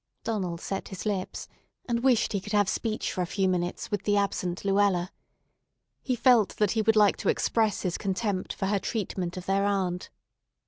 Donald set his lips, and wished he could have speech for a few minutes with the absent Luella. He felt that he would like to express his contempt for her treatment of their aunt.